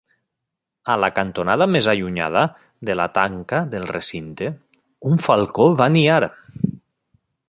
A la cantonada més allunyada de la tanca del recinte, un falcó va niar.